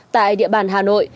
tại địa bàn hà nội